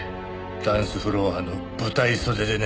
ダンスフロアの舞台袖でね。